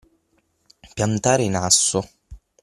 Piantare in asso.